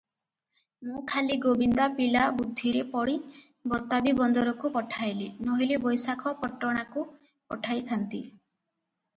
ମୁଁ ଖାଲି ଗୋବିନ୍ଦା ପିଲା ବୁଦ୍ଧିରେ ପଡ଼ି ବତାବୀ ବନ୍ଦରକୁ ପଠାଇଲି, ନୋହିଲେ ବୈଶାଖପଟଣାକୁ ପଠାଇଥାନ୍ତି ।